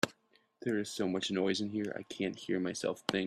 There is so much noise in here, I can't hear myself think.